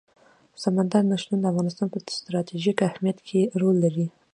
سمندر نه شتون د افغانستان په ستراتیژیک اهمیت کې رول لري.